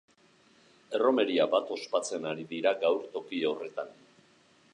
Erromeria bat ospatzen ari dira gaur toki horretan.